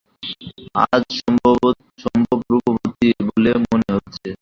আজ অসম্ভব রূপবতী বলে মনে হচ্ছে।